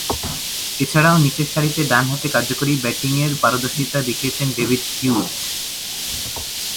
এছাড়াও, নিচেরসারিতে ডানহাতে কার্যকরী ব্যাটিংয়ে পারদর্শিতা দেখিয়েছেন ডেভিড হিউজ।